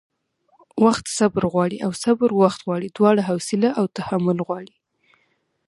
وخت صبر غواړي او صبر وخت غواړي؛ دواړه حوصله او تحمل غواړي